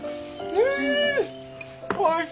うん！